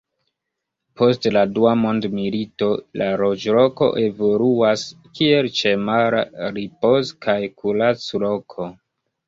Post la Dua mondmilito la loĝloko evoluas kiel ĉemara ripoz- kaj kurac-loko.